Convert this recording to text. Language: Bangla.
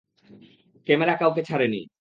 ক্যামেরা কাউকে ছাড়েনি।